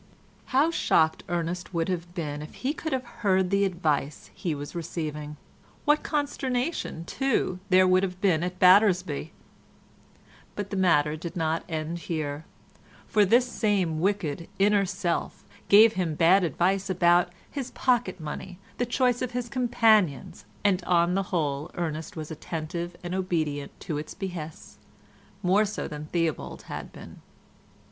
How shocked Ernest would have been if he could have heard the advice he was receiving; what consternation too there would have been at Battersby; but the matter did not end here, for this same wicked inner self gave him bad advice about his pocket money, the choice of his companions and on the whole Ernest was attentive and obedient to its behests, more so than Theobald had been.